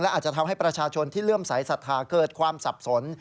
อาจจะทำให้ประชาชนที่เลื่อมสายศรัทธาเกิดความสับสน